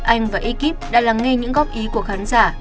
anh và ekip đã lắng nghe những góp ý của khán giả